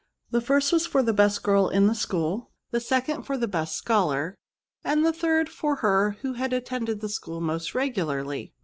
The first was for the best girl in the school, the second for the best scholar, and the third for her who had attended the school most regularly.